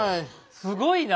すごいな。